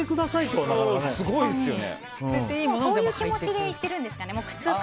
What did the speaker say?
そういう気持ちで行ってるんですかね。